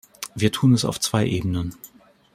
Wir tun es auf zwei Ebenen.